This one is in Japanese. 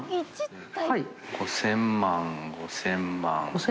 ５０００万５０００万。